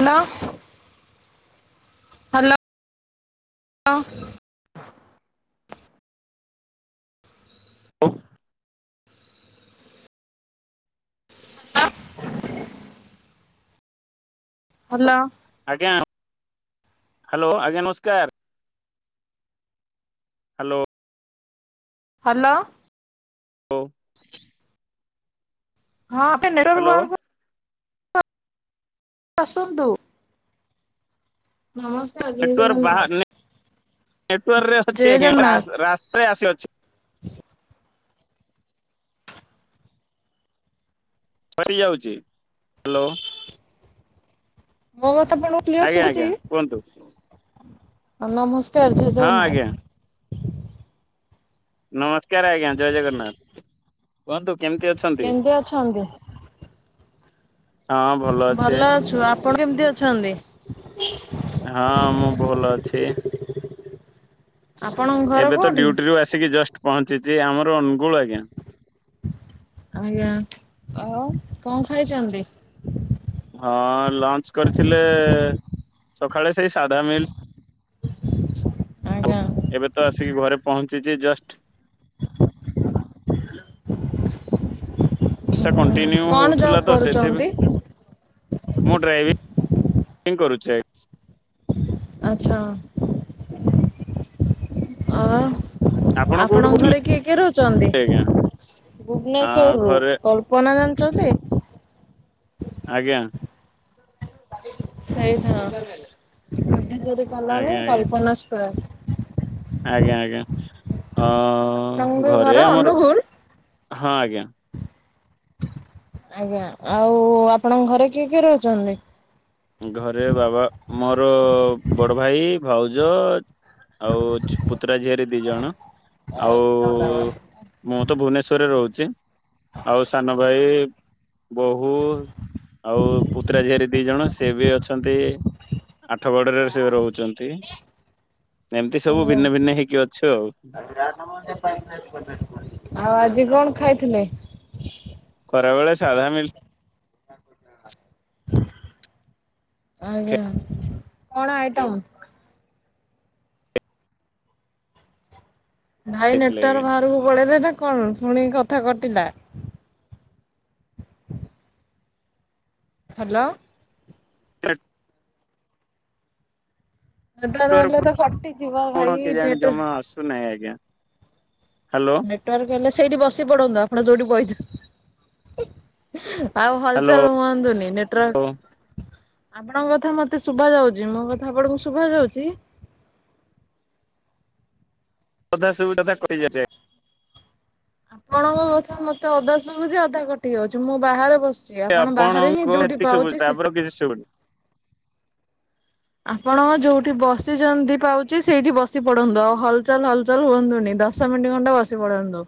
Hello. ହ୍ୟାଲୋ-ଅ। [inaudible] ହଉ। [inaudible] Hello. ଆଜ୍ଞା, hello ଆଜ୍ଞା ନମସ୍କାର। ହ୍ୟାଲୋ। ହ୍ୟାଲୋ। [inaudible] ହଁ ତ ନେ ହ୍ୟାଲୋ। ଆସନ୍ତୁ। ନମସ୍କାର ଜୟ ନେଟୱାର୍କ ବାହା ଜଗନ୍ନାଥ। ନେଟୱାର୍କରେ ଜୟ ଅଛି ଆଜ୍ଞା। ଜଗନ୍ନାଥ ରାସ୍ତା ରାସ୍ତାରେ ଆସି ଅଛି। ସରିଯାଉଛି। ହ୍ୟାଲୋ ମୋ କଥା ଆପଣଙ୍କୁ କ୍ଲିୟର ଆଜ୍ଞା ଶୁଭୁଛି? ଆଜ୍ଞା କୁହନ୍ତୁ ନମସ୍କାର ଜୟ ହଁ ଆଜ୍ଞା ଜଗନ୍ନାଥ। ନମସ୍କାର ଆଜ୍ଞା। ଜୟ ଜଗନ୍ନାଥ କୁହନ୍ତୁ କେମତି ଅଛନ୍ତି? କେମିତି ଅଛନ୍ତି? ହଁ ଅଛି ଭଲ ଅଛୁ। ଆପଣ କେମିତି ଅଛନ୍ତି? ହଁ ମୁଁ ଭଲ ଅଛି। ଆପଣଙ୍କ ଘର ଏବେ ତ କୋଉଠି? ଡ୍ୟୁଟିରୁୁ ଆସିକି ଜଷ୍ଟ ପହଞ୍ଚିଛି। ଆମର ଅନୁଗୁଳ ଆଜ୍ଞା। ଆଜ୍ଞା ଆଉ କଣ ଖାଇଛନ୍ତି? ହଁ ଲଞ୍ଚ କରିଥିଲେ। ସକାଳେ ସେଇ ସାଧା ମିିଲ୍। ଆଉ ଆଜ୍ଞା। ଏବେ ତ ଆସିକି ଘରେ ପହଞ୍ଚିଛି ଜଷ୍ଟ। ସେ କଣ୍ଟିନ୍ୟୁ କଣ ଜବ୍ ହଉଥିଲା ତ କରୁଛନ୍ତି? ସେଥିପାଇଁ ମୁଁ ଡ୍ରାଇଭିଂ କରୁଛି। ଆଚ୍ଛା ଆ ଆପଣ କୋଉଠୁ ଆପଣଙ୍କ କହୁଥିଲେ ଘରେ କିଏ କିଏ ରହୁଛନ୍ତି? ଆଜ୍ଞା? ଆଁ ଭୁବନେଶ୍ୱରରୁୁ ଘରେ ପୁଅ ନା ଜାଣିଛନ୍ତି? ଆଜ୍ଞା। ସେଇଠର ଭୁବନେଶ୍ୱରରୁ ଗଲାବେଳେ ଆଜ୍ଞା ଆଜ୍ଞା କଳ୍ପନା ସ୍କ୍ୱାର। ଆଜ୍ଞା ଆଜ୍ଞା ଅ ଆପଣଙ୍କ ଘର ଘରେ ଆମର ଅନୁଗୁଳ? ହଁ ଆଜ୍ଞା ଆଜ୍ଞା ଆଉ ଆପଣଙ୍କ ଘରେ କିଏ କିଏ ରହୁଛନ୍ତି? ଘରେ ବାବା ମୋର ବଡ ଭାଇ ଭାଉଜ ଆଉ ପୁତୁରା ଝିଅରି ଦି ଜଣ ଆଉ ମୁଁ ତ ଭୁବନେଶ୍ଵରରେ ରହୁଛି। ଆଉ ସାନ ଭାଇ ବୋହୂ ଆଉ ପୁତ୍ରା ଝିଆରୀ ଦି ଜଣ। ସେ ବି ଅଛନ୍ତି ଆଠଗଡରେ ସେ ରହୁଛନ୍ତି। ଏମିତି ସବୁ ଆଜ୍ଞା। ଭିନ୍ନ ଭିନ୍ନ ହେଇକି ଅଛୁ ଆଉ। ଆଉ ଆଜି କଣ ଖାଇଥିଲେ? ଖରାବେଳେ ସାଧା ମିଲ୍ସ। ଆଜ୍ଞା କଣ ଆଇଟମ୍? ଭାଇ ଖାଇଥିଲେ ନେଟୱାର୍କ ଆଜ୍ଞା। ବାହାରକୁ ପଳେଇଲେ ନା କଣ? ଶୁଣିକି କଥା କଟିଲା। ହ୍ୟାଲୋ ତ [inaudible] ଟ ନେଟୱାର୍କ ହେହଲେ ତ କଟିଯିବ କଣ ଭାଇ କେଜାଣି ଟରେ ଜମା [inaudible] ଆସୁନାହିଁ ଆଜ୍ଞା। ହ୍ୟାଲୋ ନେଟୱାର୍କ ହେଲେ ସେଇଠି ବସି ପଡନ୍ତୁ ଆପଣ ଯୋଉଠି ବଇ ଆଉ ହ୍ୟାଲୋ। ହଲଚଲ ହୁଅନ୍ତୁନି ନେଟୱାର୍କ ଆପଣଙ୍କ କଥା ମତେ ଶୁଭା ଯାଉଛି। ମୋ କଥା ଆପଣଙ୍କୁ ଶୁଭା ଯାଉଛି? ସଧା ସୁବିଧା କରି ଯାଏ। କଣଙ୍କ କଥା ମତେ ଅଧା ସୁଭୁଛି ଅଧା କଟିି ଯାଉଛି ମୁଁ ବାହାରେ ବସଛି ସିଏ ଆଜ୍ଞା। ଆପଣ ବାହାରେ ଆପଣଙ୍କ ହିଁ ଯୋଉଠି ଏତିକି ପାଉଛି ସେ [inaudible] ଆପଣ ଯୋଉଠି ବସିଛନ୍ତି ପାଉଛି ସେଇଠି ବସି ପଡନ୍ତୁ ଆଉ ହଲଚାଲ ହଲଚଲ ହୁଅନ୍ତୁନି ଦ ଶ ମିନିଟ ଖଣ୍ଡେ ବସି ପଳନ୍ତୁ।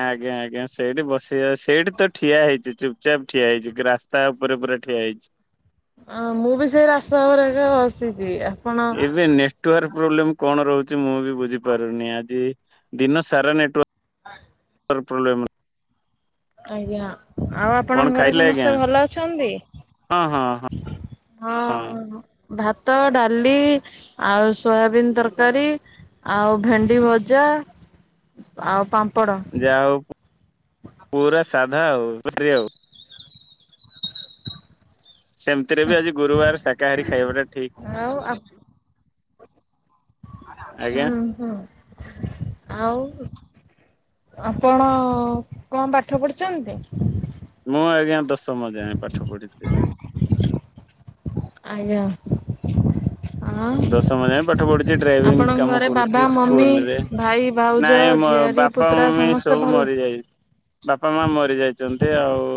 ଆଜ୍ଞା ଆଜ୍ଞା ସେଇଠି ବସେଇାଉ ସେଇଠି ତ ଠିଆ ହେଇଛି ଚୁପଚାପ ଠିଆ ହେଇଛି ରାସ୍ ତା ଉପରେ ପୁରା ଠିଆ ହେଇଚି। ଆଁ ମୁଁ ବି ସେ ରାସ୍ତା ଉପରେ ଏକା ବସିଚି ଆ ଏବେ ନେଟ୍‌ୱାର୍କ ପ୍ରୋବ୍ଲେମ କଣ ରହୁଚି ମୁଁ ବି ବୁଝି ପାରୁନି ଆଜି। ଦିନ ସାରା ନେଟୱର୍କ୍ ନାଇଁ। ତାର ପ୍ରୋବ୍ଲେମ୍ ର ଆଜ୍ଞା ଆଉ କଣ ଆପଣଙ୍କ ଘରେ ଖାଇଲେ ଆଜ୍ଞା ସମସ୍ତେ ଭଲ ଅଛନ୍ତି? ହଁ ହଁ ହଁ ହଁ ହଁ ହଁ ଭାତ ଡାଲି ଆଉ ସୋୟାବିିନ ତରକାରୀ ଆଉ ଭେଣ୍ଡି ଭଜା ଆଉ ପାମ୍ପଡ଼। ଯା ହଉ ପୁରା ସାଧା ଆଉ ତୃଶ୍ରୀ ଆଉ। ସେମ୍ ତିରେ ବି ଆଜି ଗୁରୁବାର ଶାକାହାରୀ ଖାଇବାଟା ଠିକ୍‌। ଆଉ ଆଜ୍ଞା ହୁଁ ହୁଁ ଆଉ? ଆପଣ କଁ ପାଠ ପଢିଛନ୍ତି? ମୁଁ ଆଜ୍ଞା ଦଶମ ଯାଏଁପାଠ ପଢିଚି। ଆଜ୍ଞା। ଆଁ ଦଶମ ଯାଏଁ ପାଠ ପଢିଛି ଡ୍ରାଇଭିଂ ଆପଣଙ୍କ କାମ ଘରେ ବାବା କରୁଚି ମମି ସ୍କୁଲରେ। ଭାଇ ଭାଉଜ ନାଇଁ ମ ଝିଆରୀ ବାପା ପୁତୁରା ମମି ସମସ୍ତେ ସବୁ ଭଲ ମରିଯାଇ ବାପା ମା ମରି ଯାଇଚନ୍ତି ଆଉ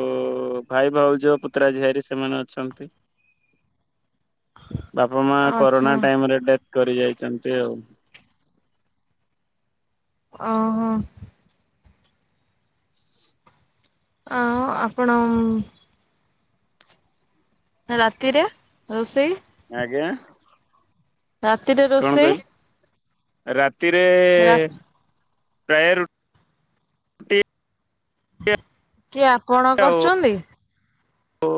ଭାଇ ଭାଉଜ ପୁତୁରା ଝିଆରି ସେମାନେ ଅଛନ୍ତି। ବାପା ମା ଆଚ୍ଛା କରୋନା ଟାଇମ ରେ ଡେଥ କରି ଯାଇଚନ୍ତି ଆଉ। ଅଁ ହ। ଆଁ ଆପଣ ରାତିରେ ରୋଷେଇ? ଆଜ୍ଞା? ରାତିରେ କଣ ରୋଷେଇ? କହିଲେ ରାତିରେ ରା ପ୍ରାୟ ରୁ କିଏ ଆପଣ କରୁଚନ୍ତି? ଓ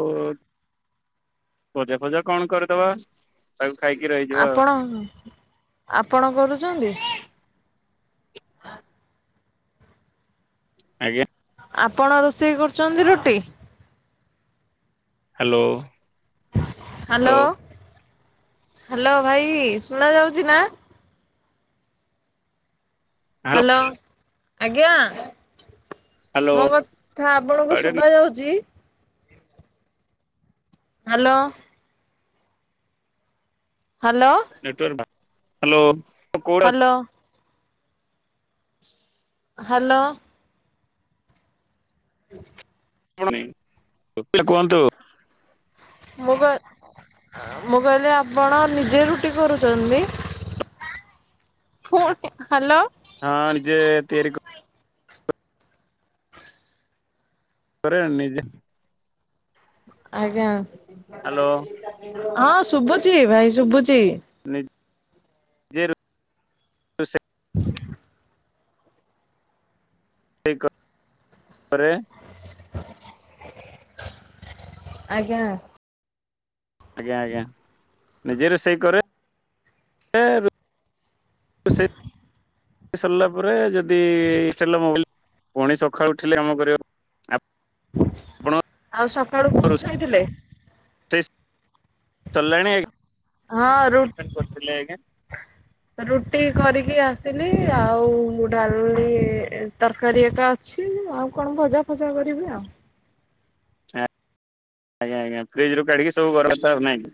ଭଜା ଫଜା କଣ କରିଦବା। ତାକୁ ଖାଇକି ରହିି ଆପଣ ଆପଣ କରୁଛନ୍ତି? ଆଜ୍ଞା? ଆପଣ ରୋଷେଇ କରୁଛନ୍ତି ରୁଟି? ହାଲୋ। ହାଲୋ ହାଲୋ ଭାଇ ଶୁଣା ଯାଉଛିନା? ହ୍ୟାଲୋ ହାଲୋ ଆଜ୍ଞା ହ୍ୟାଲୋ ମୋ କ ଥା ଆପଣଙ୍କୁ କୁଆଡେ ଶୁଗା ଯାଉଚି? ହାଲୋ। ହାଲୋ। ନେଟୱାର୍କ ବା ହାଲୋ। ହାଲୋ। ହାଲୋ। [inaudible] [inaudible] କୁହନ୍ତୁ। ମୁଁ କ ମୁଁ କହିଲି ଆପଣ ନିଜେ ରୁଟି କରୁଚନ୍ତି? ଫୁଣି ହାଲୋ। ହଁ ଯିଏ ତିଆରି କ କରେ ନିଜେ। ଆଜ୍ଞା। ହ୍ୟାଲୋ ହଁ ଶୁଭୁଛି ଭାଇ ଶୁଭୁଛି। [unintelligible] କରେ। ଆଜ୍ଞା। ଆଜ୍ଞା ଆଜ୍ଞା ନିଜେ ରୋଷେଇ କରେ। [unintelligible] ସରିଲା ପରେ ଯଦି [unintelligible] ମୋବାଇଲ ପୁଣି ସକାଳୁ ଉଠିଲେ କାମ କରେ। ଆଉ ସକାଳୁ କଁ ଖାଇଥିଲେ? [unintelligible] ହଁ ରୁ ଟିଫିନ କରିଥିଲେ ଆଜ୍ଞା ରୁଟି କରିକି ଆସିଲି। ଆଉ ଡାଲି ତରକାରୀ ଏକା ଅଛି ଆଉ କଣ ଭଜା ଫଜା କରିବି ଆଉ। ଆଜ୍ଞା ଆଜ୍ଞା ଫ୍ରିଜ ରୁ କାଢ଼ିକି ସବୁ ଗରମ କରିବେ ନା କି।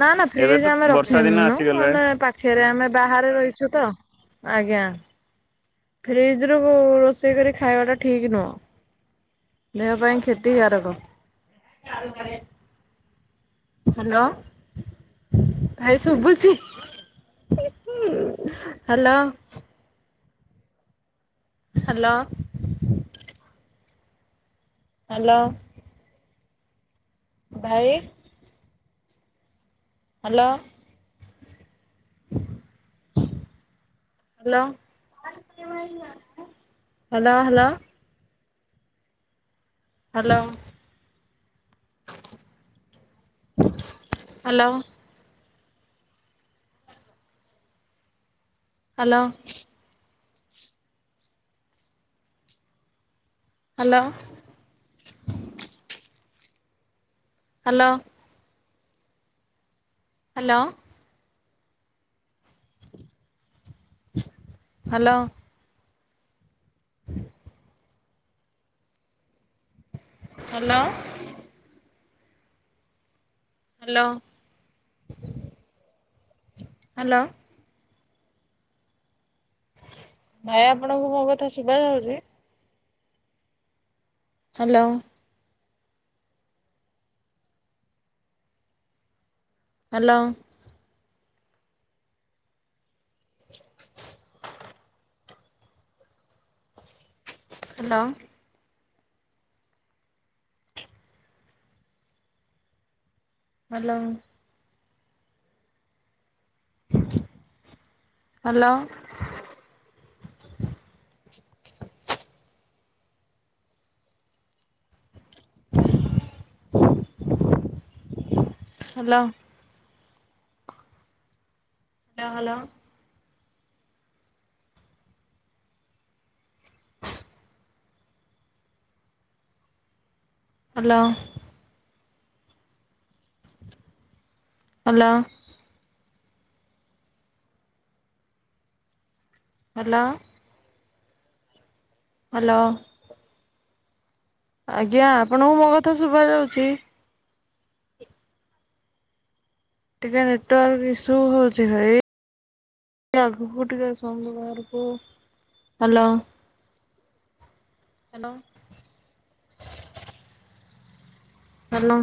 ନା ନା ଏବେ ତ ଫ୍ରିଜ ଆମେ ବର୍ଷା ଦିନ ରଖିନୁ ଆସିଗଲାଣି ମାନେ ପା ଫେରେ ଆମେ ଆମେ ବାହାରେ ରହିଛୁ ତ ଆଜ୍ଞା। ଫ୍ରିଜ ରୁ ରୋଷେଇ କରି ଖାଇବା ଟା ଠିକ ନୁହଁ। ଦେହ ପାଇଁ କ୍ଷତିକାରାକ। ହାଲୋ। ଭାଇ ଶୁଭୁଛି [unintelligible] ହ୍ୟାଲୋ। ହାଲୋ। ହାଲୋ। ଭାଇ। Hello. Hello hello hello. Hello hello. Hello. Hello. Hello. Hello. Hello. Hello. Hello hello. ଭାଇ ଆପଣଙ୍କୁ ମୋ କଥା ଶୁଭା ଯାଉଛି? Hello. Hello. Hello. Hello. Hello. Hello. Hello hello. Hello. Hello. Hello. Hello. ଆଜ୍ଞା ଆପଣଙ୍କୁ ମୋ କଥା ଶୁଭ ଯାଉଛି? ଟିକେ ନେଟୱାର୍କ ଇସ୍ୟୁ ହଉଛି ଭାଇ ଏଇ ଆଗକୁ ଟିକେ ଶନିବାର କୁ ହାଲୋ। ହ୍ୟାଲୋ। ହାଲୋ।